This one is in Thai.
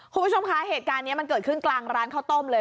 คุณผู้ชมคะเหตุการณ์นี้มันเกิดขึ้นกลางร้านข้าวต้มเลย